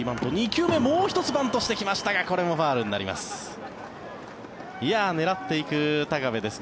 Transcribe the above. ２球目もう１つバントしてきましたがこれもファウルになります。